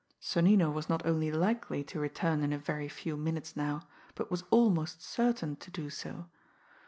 Sonnino was not only likely to return in a very few minutes now, but was almost certain to do so.